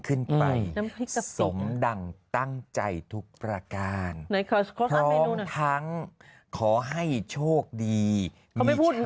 ขึ้นไปสมดังตั้งใจทุกประการพร้อมทั้งขอให้โชคดีไม่พูด